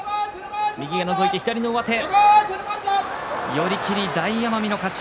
寄り切り、大奄美の勝ち。